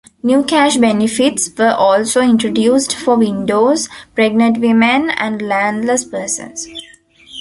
New cash benefits were also introduced for widows, pregnant women, and landless persons.